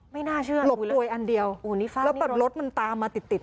ไม่น่าเชื่อหลบกวยอันเดียวโอ้นี่ฟาดแล้วแบบรถมันตามมาติดติด